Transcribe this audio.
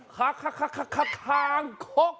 คางคก